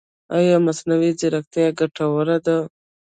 ایا مصنوعي ځیرکتیا ګټوره ده؟